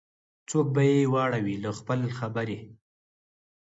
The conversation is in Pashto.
څوک به یې واړوي له خپل خبري